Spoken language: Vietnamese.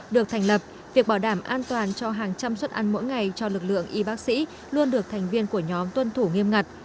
được thành lập việc bảo đảm an toàn cho hàng trăm suất ăn mỗi ngày cho lực lượng y bác sĩ luôn được thành viên của nhóm tuân thủ nghiêm ngặt